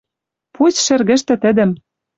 Пусть шӹргӹштӹ тӹдӹм